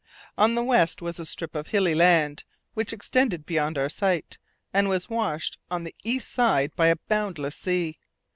On the west was a strip of hilly land, which extended beyond our sight, and was washed on its east side by a boundless sea.